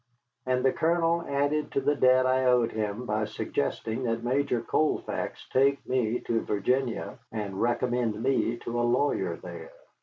And the Colonel added to the debt I owed him by suggesting that Major Colfax take me to Virginia and recommend me to a lawyer there.